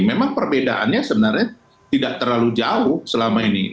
memang perbedaannya sebenarnya tidak terlalu jauh selama ini